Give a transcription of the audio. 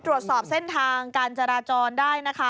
ตรวจสอบเส้นทางการจราจรได้นะคะ